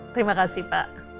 terima kasih pak